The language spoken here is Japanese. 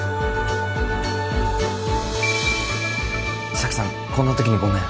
沙樹さんこんな時にごめん。